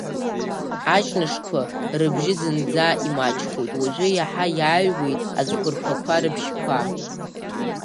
Аҷнышқәа рыбжьқәа зынӡа имаҷхоит, уажәы иаҳа иааҩуеит ацәқәырԥақәа рыбжьқәа.